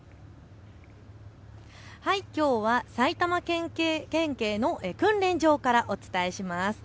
きょうは埼玉県警の訓練場からお伝えします。